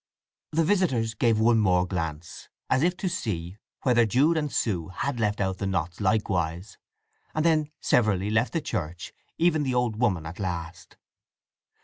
The visitors gave one more glance, as if to see whether Jude and Sue had left the "nots" out likewise, and then severally left the church, even the old woman at last.